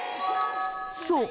そう。